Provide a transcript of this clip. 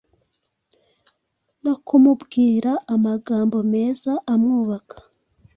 no kumubwira amagambo meza amwubaka